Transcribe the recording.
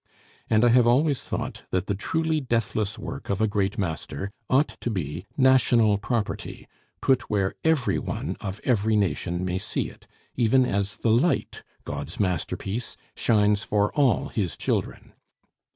And I have always thought that the truly deathless work of a great master ought to be national property; put where every one of every nation may see it, even as the light, God's masterpiece, shines for all His children.